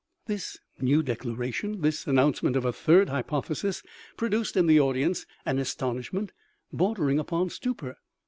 This new declaration, this announcement of a third hypothesis, produced in the audience an astonishment bor dering upon stupor.